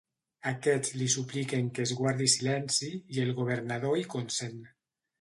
Aquests li supliquen que es guardi silenci, i el governador hi consent.